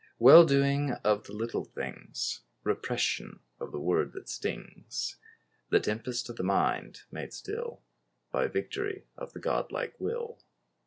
Well doing of the little things: Repression of the word that stings; The tempest of the mind made still By victory of the God like will.